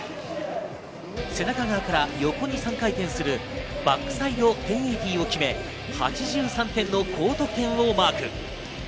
背中側から横に３回転するバックサイド１０８０を決め、８３点の高得点をマーク。